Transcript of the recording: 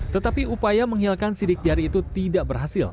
tetapi upaya menghilangkan sidik jari itu tidak berhasil